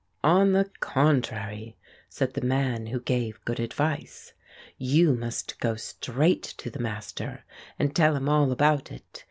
"On the contrary," said the man who gave good advice, "you must go straight to the Master and tell him all about it.